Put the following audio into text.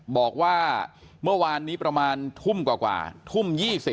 บอกว่าเมื่อวานนี้ประมาณทุ่มกว่าทุ่ม๒๐